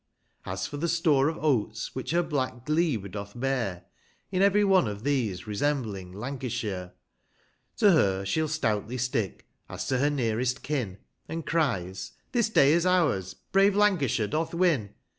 As for the store of oats, which her black glebe doth bear, 2S5 In every one of these resembling Lancashire, To her she'll stoutly stick, as to her nearest kin, And cries, * the day is ours, brave Lancashire doth win.'